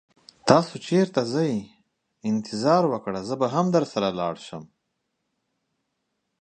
تاسو چیرته ځئ؟ انتظار وکړه، زه به درسره راشم.